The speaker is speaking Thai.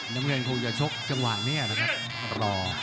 น้องเรียนคงจะชกจังหวะนี้อ่ะครับรอ